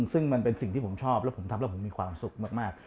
ซึ่งมันเป็นสิ่งที่ผมชอบแล้วผมทำแล้วผมมีความสุขมาก